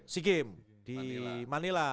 seagame di manila